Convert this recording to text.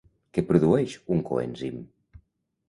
Què produeix un coenzim?